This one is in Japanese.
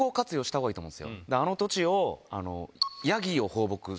あの土地を。